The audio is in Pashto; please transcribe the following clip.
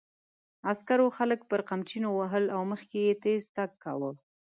عسکرو خلک پر قمچینو وهل او مخکې یې تېز تګ کاوه.